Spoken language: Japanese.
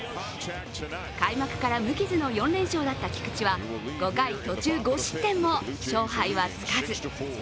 開幕から無傷の４連勝だった菊池は５回途中５失点も勝敗はつかず。